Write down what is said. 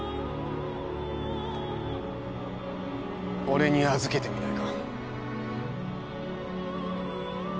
俺に預けてみないか